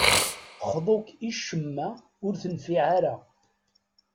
Xḍu-k i ccemma, ur tenfiɛ ara.